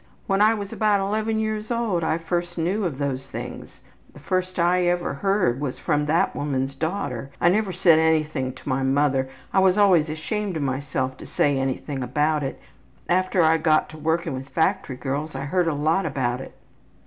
When I was about 11 years old I first knew of those things. The first I ever heard was from that woman's daughter. I never said anything to my mother. I was always ashamed of myself to say anything about it. After I got to working with factory girls I heard a lot about it.''